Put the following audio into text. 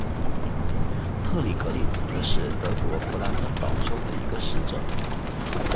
特里格利茨是德国勃兰登堡州的一个市镇。